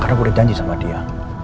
karena gue udah janji sama dia